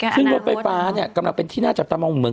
ซึ่งรถไฟฟ้าเนี่ยกำลังเป็นที่น่าจับตามองเหมือน